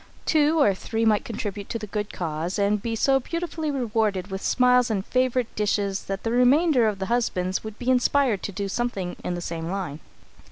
Two or three might contribute to the good cause and be so beautifully rewarded with smiles and favourite dishes that the remainder of the husbands would be inspired to do something in the same line.